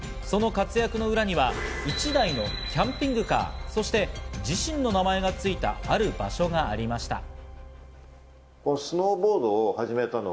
その活躍の裏には１台のキャンピングカー、そして自身の名前がついたある場所がありました。